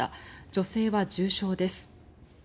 女性は重傷です。